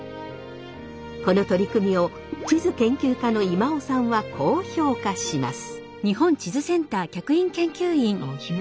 この取り組みを地図研究家の今尾さんはこう評価します。